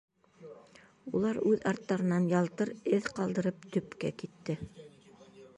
Улар, үҙ арттарынан ялтыр эҙ ҡалдырып, төпкә китте.